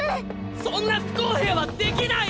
そんな不公平はできない！